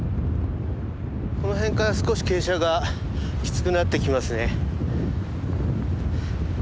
この辺から少し傾斜がきつくなってきますね。